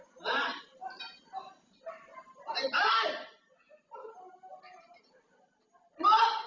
แล้วเปร่ง